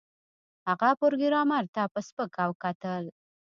هغه پروګرامر ته په سپکه وکتل